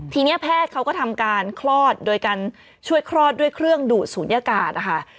ทีนี้แพทย์เขาก็ทำการคลอดโดยการช่วยคลอดด้วยเครื่องดูดศูนยากาศนะคะ